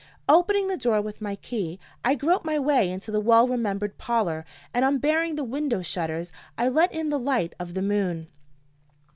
Opening the door with my key, I groped my way into the well remembered parlor; and, unbarring the window shutters, I let in the light of the moon.